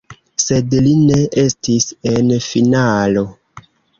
Sed li ne estis en finalo.